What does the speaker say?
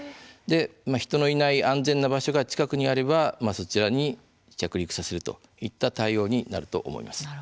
人のいない安全な場所が近くにあれば、そちらに着陸させるといった対応になると思います。